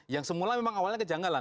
yang semula memang awalnya kejanggalan